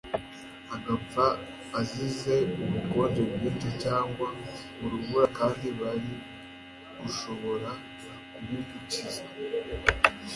agapfa azize ubukonje bwinshi cyangwa urubura kandi bari gushobora kubimukiza?